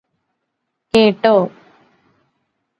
കേട്ടോ